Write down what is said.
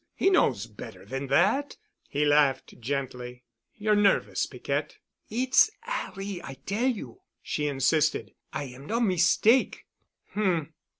He knows better than that." He laughed gently. "You're nervous, Piquette——" "It's 'Arry, I tell you," she insisted. "I am not mistake'——" "H m.